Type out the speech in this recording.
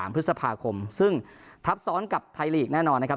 พฤษภาคมซึ่งทับซ้อนกับไทยลีกแน่นอนนะครับ